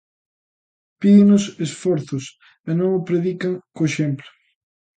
Pídennos esforzos e non predican co exemplo.